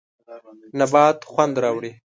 نبات خوند راوړي.